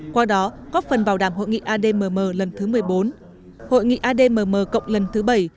qua đó góp phần bảo đảm hội nghị admm lần thứ một mươi bốn hội nghị admm cộng lần thứ bảy